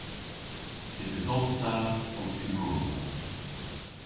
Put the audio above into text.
Yth esos ta ow tiwrosa.